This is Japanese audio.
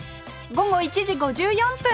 午後１時５４分